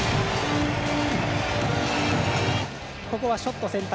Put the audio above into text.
ここはショット選択。